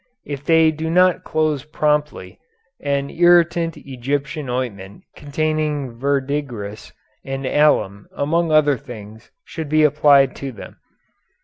If they do not close promptly, an irritant Egyptian ointment containing verdigris and alum among other things should be applied to them.